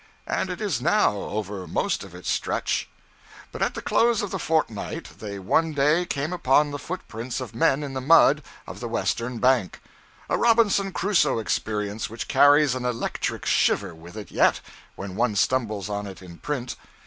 And it is now, over most of its stretch. But at the close of the fortnight they one day came upon the footprints of men in the mud of the western bank a Robinson Crusoe experience which carries an electric shiver with it yet, when one stumbles on it in print.